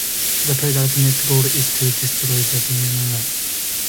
The player's ultimate goal is to destroy the Death Star through three attack phases.